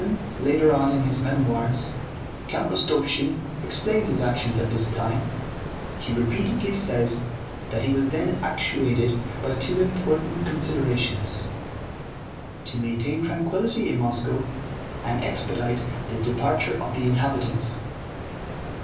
When later on in his memoirs Count Rostopchín explained his actions at this time, he repeatedly says that he was then actuated by two important considerations: to maintain tranquillity in Moscow and expedite the departure of the inhabitants.